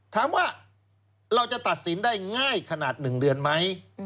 ถามว่าเราจะตัดสินได้ง่ายขนาด๑เดือนไหม